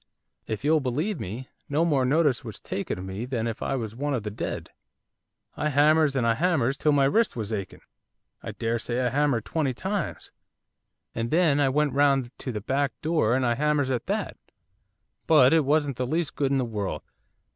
'If you'll believe me, no more notice was taken of me than if I was one of the dead. I hammers, and I hammers, till my wrist was aching, I daresay I hammered twenty times, and then I went round to the back door, and I hammers at that, but it wasn't the least good in the world.